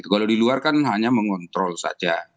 kalau di luar kan hanya mengontrol saja